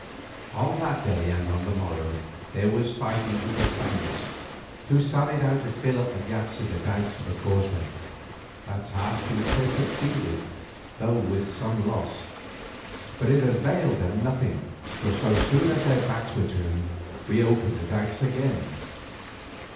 On that day and on the morrow there was fighting with the Spaniards, who sallied out to fill up the gaps in the dykes of the causeway, a task in which they succeeded, though with some loss. But it availed them nothing, for so soon as their backs were turned we opened the dykes again.